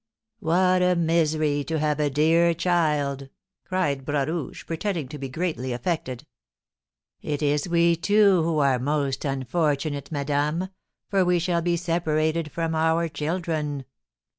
"What a misery to have a dear child!" cried Bras Rouge, pretending to be greatly affected. "It is we two who are most unfortunate, madame, for we shall be separated from our children."